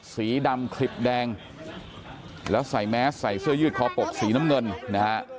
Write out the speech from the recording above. สีดำคลิปแดงแล้วใส่แมสใส่เสื้อยืดคอปกสีน้ำเงินนะฮะ